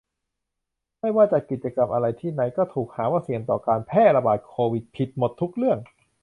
ไม่ว่าจัดกิจกรรมอะไรที่ไหนก็ถูกหาว่าเสี่ยงต่อการแพร่ระบาดโควิด ผิดหมดทุกเรื่อง